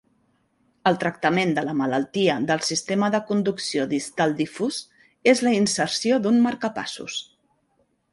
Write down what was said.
El tractament de la malaltia del sistema de conducció distal difús és la inserció d'un marcapassos.